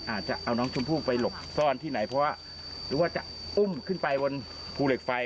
อาจจะเอาน้องชมพู่ไปหลบซ่อนที่ไหนเพราะว่าหรือว่าจะอุ้มขึ้นไปบนภูเหล็กไฟ